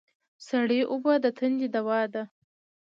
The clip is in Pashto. سړه اوبه د تندې دوا ده